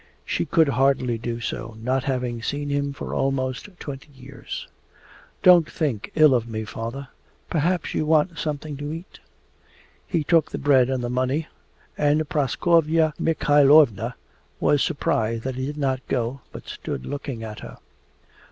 She could hardly do so, not having seen him for almost twenty years. 'Don't think ill of me, Father. Perhaps you want something to eat?' He took the bread and the money, and Praskovya Mikhaylovna was surprised that he did not go, but stood looking at her.